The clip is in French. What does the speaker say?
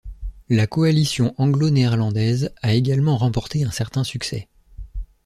La coalition anglo-néerlandaise a également remporté un certain succès.